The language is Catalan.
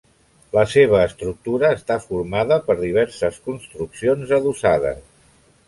La seva estructura està formada per diverses construccions adossades.